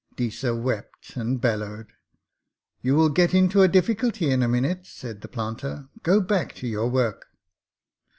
Deesa wept and bellowed. 'You will get into a difficulty in a minute,' said the planter. 'Go back to your work!'